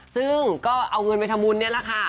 ซึ่งก็เอาเงินไปทำบุญนี่แหละค่ะ